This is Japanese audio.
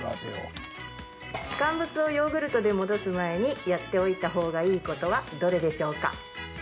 乾物をヨーグルトで戻す前にやっておいた方がいいことはどれでしょうか？